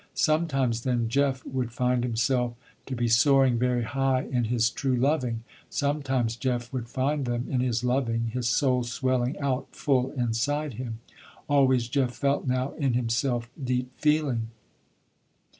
Sometimes then, Jeff would find himself to be soaring very high in his true loving. Sometimes Jeff would find them, in his loving, his soul swelling out full inside him. Always Jeff felt now in himself, deep feeling.